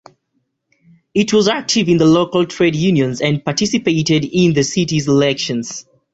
It was active in the local trade unions, and participated in the city's elections.